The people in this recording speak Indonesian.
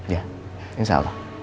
ya insya allah